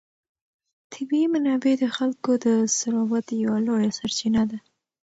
طبیعي منابع د خلکو د ثروت یوه لویه سرچینه ده.